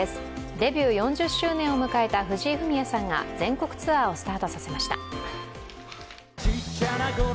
デビュー４０周年を迎えた藤井フミヤさんが、全国ツアーをスタートさせました。